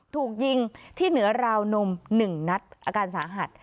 ถูกยิงที่เหนือราวนม๑นัดอาการสาหัส